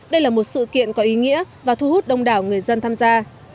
đây là một sự kiện có ý nghĩa và thu hút đông đảo người dân tham gia